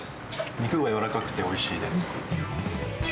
肉が柔らかくておいしいです。